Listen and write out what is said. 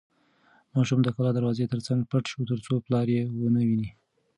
ماشوم د کلا د دروازې تر څنګ پټ شو ترڅو پلار یې ونه ویني.